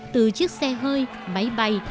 từ chiếc xe hơi máy bay